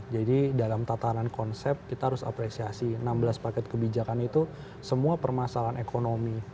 jadi dalam tatanan konsep kita harus apresiasi enam belas paket kebijakan itu semua permasalahan ekonomi